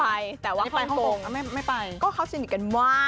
ไปแต่ว่าไปก็เลยบิน